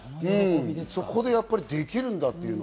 そこでできるんだという。